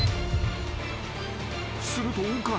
［すると岡野。